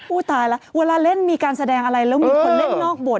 ตายแล้วเวลาเล่นมีการแสดงอะไรแล้วมีคนเล่นนอกบท